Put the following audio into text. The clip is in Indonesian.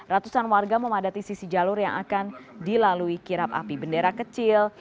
ratusan warga memadati sisi jalur yang akan dilalui kirap api bendera kecil